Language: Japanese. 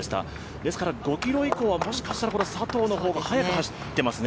ですから５ｋｍ以降はもしかしたら佐藤の方が速く走ってますね。